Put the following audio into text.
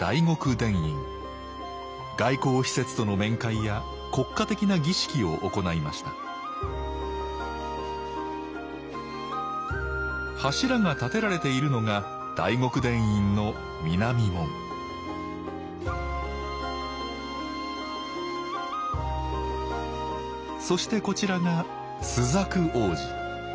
外交使節との面会や国家的な儀式を行いました柱が立てられているのが大極殿院の南門そしてこちらが朱雀大路。